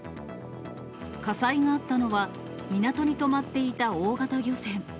火災があったのは、港に止まっていた大型漁船。